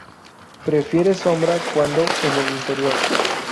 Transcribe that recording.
Prefiere sombra cuando en el interior.